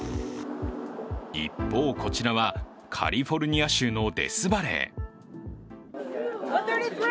一方、こちらはカリフォルニア州のデスバレー。